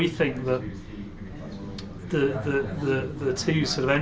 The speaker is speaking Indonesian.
dua entitas akan berkumpul